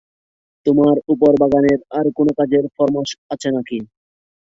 তোমার উপর বাগানের আর কোনো কাজের ফরমাশ আছে নাকি।